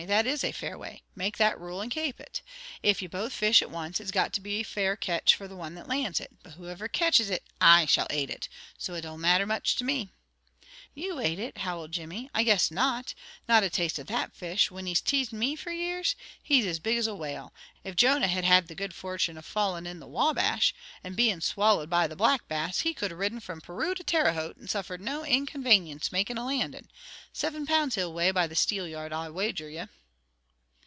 "That is a fair way. Make that a rule, and kape it. If you both fish at once, it's got to be a fair catch for the one that lands it; but whoever catches it, I shall ate it, so it don't much matter to me." "You ate it!" howled Jimnmy. "I guess not. Not a taste of that fish, when he's teased me for years? He's as big as a whale. If Jonah had had the good fortune of falling in the Wabash, and being swallowed by the Black Bass, he could have ridden from Peru to Terre Haute, and suffered no inconvanience makin' a landin'. Siven pounds he'll weigh by the steelyard I'll wager you."